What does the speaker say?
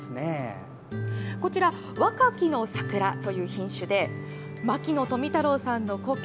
ワカキノサクラという品種で牧野富太郎さんの故郷